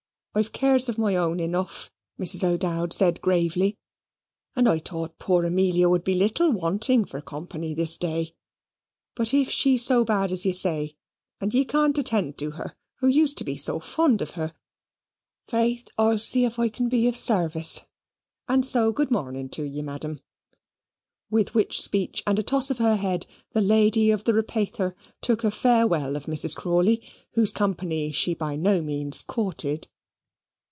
"I've cares of my own enough," Mrs. O'Dowd said, gravely, "and I thought poor Amelia would be little wanting for company this day. But if she's so bad as you say, and you can't attend to her, who used to be so fond of her, faith I'll see if I can be of service. And so good marning to ye, Madam"; with which speech and a toss of her head, the lady of the repayther took a farewell of Mrs. Crawley, whose company she by no means courted.